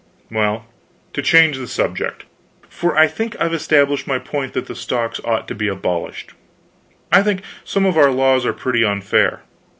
"Well, to change the subject for I think I've established my point that the stocks ought to be abolished. I think some of our laws are pretty unfair.